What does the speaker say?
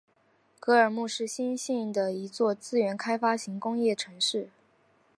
格尔木是新兴的一座资源开发型的工业城市。